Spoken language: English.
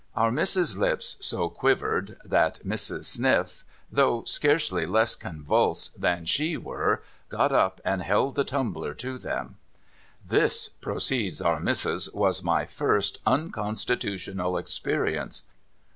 Our Missis's lips so quivered, that Mrs. Sniff, though scarcely less convulsed than she were, got up and held the tumbler to them. ' This,' proceeds Our Missis, ' was my first unconstitutional experience.